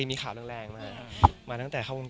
ก็มีไปคุยกับคนที่เป็นคนแต่งเพลงแนวนี้